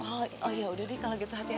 oh ya udah deh kalau gitu hati hati ya